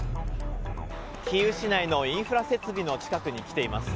キーウ市内のインフラ設備の近くに来ています。